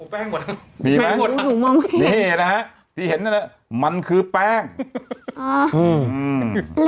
เป้งหมดมีอยู่บนที่เห็นได้มั้ยมันคือแป้งอ่า